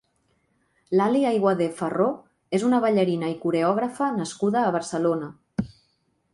Lali Ayguadé Farró és una ballarina i coreògrafa nascuda a Barcelona.